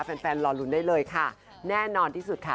แฟนแฟนรอลุ้นได้เลยค่ะแน่นอนที่สุดค่ะ